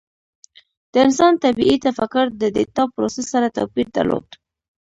د انسان طبیعي تفکر د ډیټا پروسس سره توپیر درلود.